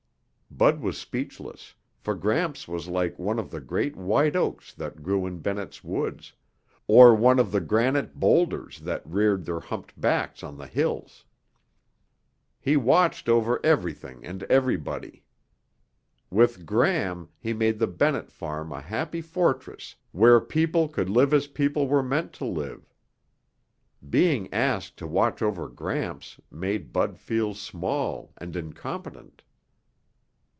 Bud was speechless, for Gramps was like one of the great white oaks that grew in Bennett's Woods, or one of the granite boulders that reared their humped backs on the hills. He watched over everything and everybody. With Gram, he made the Bennett farm a happy fortress where people could live as people were meant to live. Being asked to watch over Gramps made Bud feel small and incompetent.